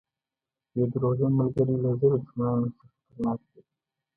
یو دروغجن ملګری له زرو دښمنانو څخه خطرناک دی.